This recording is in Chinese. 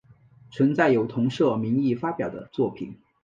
存在有同社名义发表的作品。